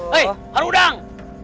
hei haru udang